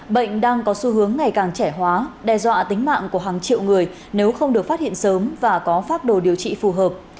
bệnh đang có xu hướng ngày càng trẻ hóa đe dọa tính mạng của hàng triệu người nếu không được phát hiện sớm và có phác đồ điều trị phù hợp